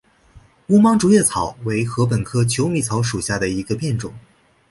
无芒竹叶草为禾本科求米草属下的一个变种。